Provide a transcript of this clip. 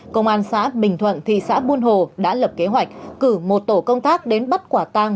công an xã bình thuận thị xã buôn hồ đã lập kế hoạch cử một tổ công tác đến bắt quả tang